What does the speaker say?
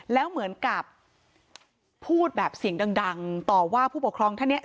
แล้วเหมือนกับพูดแบบเสียงดังต่อว่าผู้ปกครองท่านเนี่ย